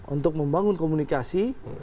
untuk membangun komunikasi